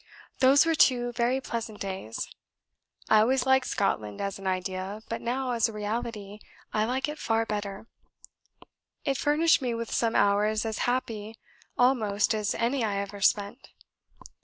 Those were two very pleasant days. I always liked Scotland as an idea, but now, as a reality, I like it far better; it furnished me with some hours as happy almost as any I ever spent.